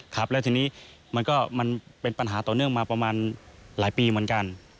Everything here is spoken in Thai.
ครับแล้วทีนี้มันก็มันเป็นปัญหาต่อเนื่องมาประมาณหลายปีเหมือนกัน